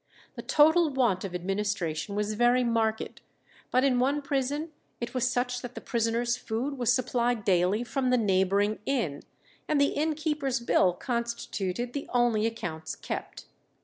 The total want of administration was very marked, but in one prison it was such that the prisoners' food was supplied daily from the neighbouring inn, and the innkeeper's bill constituted the only accounts kept.